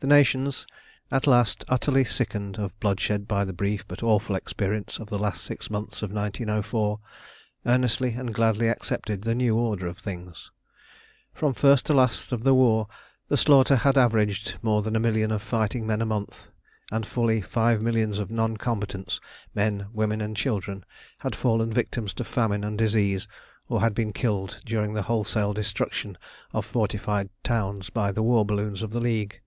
The nations, at last utterly sickened of bloodshed by the brief but awful experience of the last six months of 1904, earnestly and gladly accepted the new order of things. From first to last of the war the slaughter had averaged more than a million of fighting men a month, and fully five millions of non combatants, men, women, and children, had fallen victims to famine and disease, or had been killed during the wholesale destruction of fortified towns by the war balloons of the League.